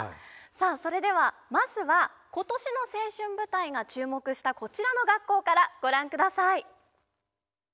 さあそれではまずは今年の「青春舞台」が注目したこちらの学校からご覧ください。